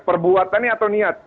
perbuatan atau niat